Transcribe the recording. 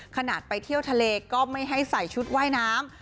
ขนาดไปเที่ยวทะเลก็ไม่ให้ใส่ชุดว่ายน้ำ